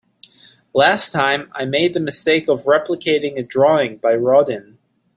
Last time, I made the mistake of replicating a drawing by Rodin.